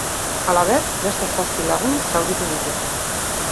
Halaber, beste zazpi lagun zauritu ditu.